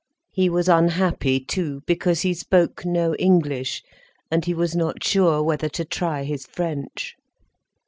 He was unhappy too because he spoke no English and he was not sure whether to try his French.